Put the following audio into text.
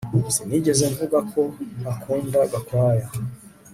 Sinigeze mvuga ko ntakunda Gakwaya